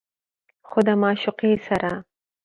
خو د معشوقې سره